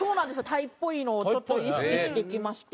タイっぽいのをちょっと意識して行きまして。